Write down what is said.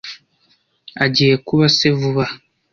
Agiye kuba se vuba aha.